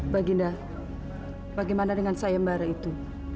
baginda bagaimana dengan sayembara itu